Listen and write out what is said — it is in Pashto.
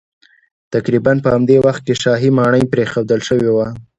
تقریبا په همدې وخت کې شاهي ماڼۍ پرېښودل شوې وې